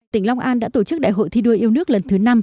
tỉnh long an đã tổ chức đại hội thi đua yêu nước lần thứ năm